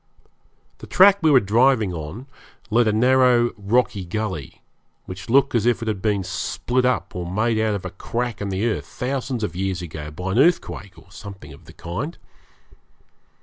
The track we were driving on led along a narrow rocky gully which looked as if it had been split up or made out of a crack in the earth thousands of years ago by an earthquake or something of that kind.